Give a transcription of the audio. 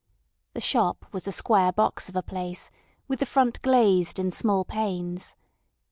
The shop was a square box of a place, with the front glazed in small panes.